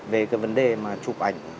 về cái vấn đề mà chụp ảnh